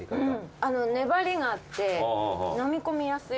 粘りがあってのみ込みやすい。